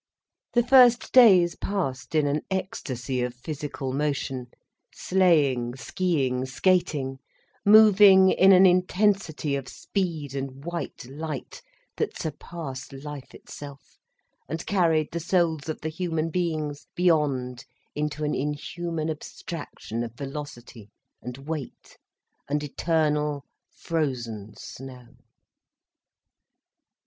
The first days passed in an ecstasy of physical motion, sleighing, skiing, skating, moving in an intensity of speed and white light that surpassed life itself, and carried the souls of the human beings beyond into an inhuman abstraction of velocity and weight and eternal, frozen snow.